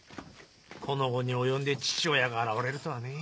この期に及んで父親が現れるとはね。